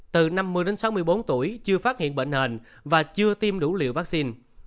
từ năm mươi sáu mươi bốn tuổi chưa phát hiện bệnh nền và chưa tiêm đủ liệu vaccine